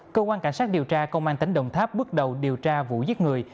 cơ quan cảnh sát điều tra công an tỉnh đồng tháp bước đầu điều tra vụ giết người